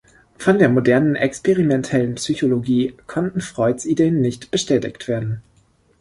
Von der modernen experimentellen Psychologie konnten Freuds Ideen nicht bestätigt werden.